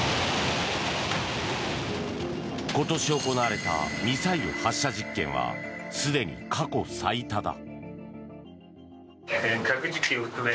今年行われたミサイル発射実験はすでに過去最多だ。